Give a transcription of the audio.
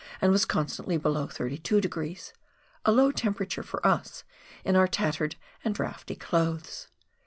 and was constantly below 32° — a low temperature for us, in our tattered and draughty clothes.